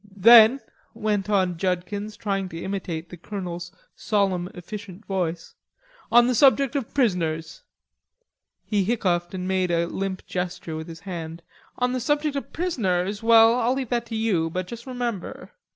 "Then," went on Judkins, trying to imitate the Colonel's solemn efficient voice, "'On the subject of prisoners'" he hiccoughed and made a limp gesture with his hand "'On the subject of prisoners, well, I'll leave that to you, but juss remember...